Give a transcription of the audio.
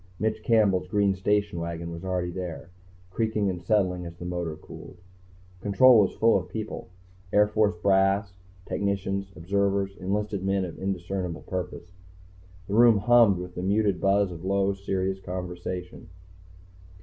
Mitch Campbell's green station wagon was already there, creaking and settling as the motor cooled. Control was full of people; Air Force brass, technicians, observers, enlisted men of indiscernible purpose. The room hummed with the muted buzz of low, serious conversation.